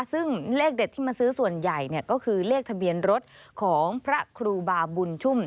ซึ่งเลขเด็ดที่มาซื้อส่วนใหญ่ก็คือเลขทะเบียนรถของพระครูบาบุญชุ่ม